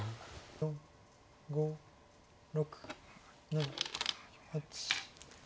５６７８。